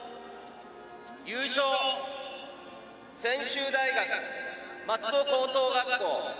優勝、専修大学松戸高等学校。